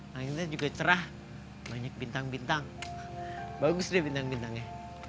langitnya juga cerah banyak bintang bintang bagus deh bintang bintangnya